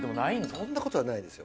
そんなことはないですよ。